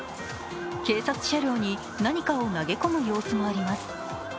警察車両に何かを投げ込む様子もあります。